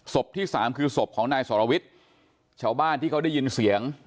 ที่สามคือศพของนายสรวิทย์ชาวบ้านที่เขาได้ยินเสียง